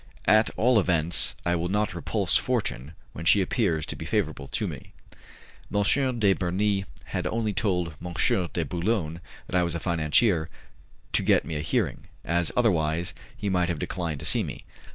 At all events, I will not repulse Fortune when she appears to be favourable to me." M. de Bernis had only told M. de Boulogne that I was a financier to get me a hearing, as otherwise he might have declined to see me.